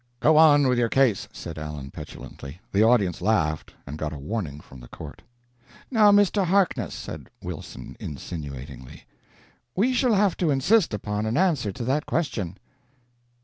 "Go on with your case!" said Allen, petulantly. The audience laughed, and got a warning from the court. "Now, Mr. Harkness," said Wilson, insinuatingly, "we shall have to insist upon an answer to that question."